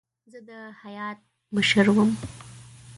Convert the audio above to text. زه د هیات مشر وم.